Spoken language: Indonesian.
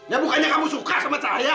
ya bukannya kamu suka sama saya